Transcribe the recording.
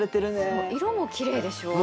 そう色もきれいでしょう？